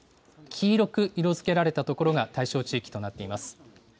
黄色く色づけられた所が対象地域となっています。